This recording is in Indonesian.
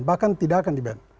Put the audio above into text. bahkan tidak akan di ban